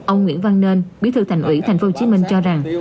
ông nguyễn văn nên bí thư thành ủy tp hcm cho rằng